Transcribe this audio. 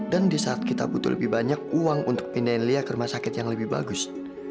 dan di saat kita butuh lebih banyak uang untuk pindahin lia ke rumah sakit yang lebih bagus